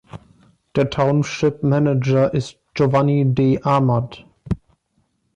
Der Township-Manager ist Giovanni D. Ahmad.